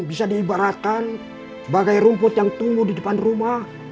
bisa diibaratkan bagai rumput yang tumbuh di depan rumah